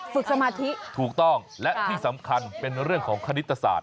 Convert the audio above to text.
สมาธิถูกต้องและที่สำคัญเป็นเรื่องของคณิตศาส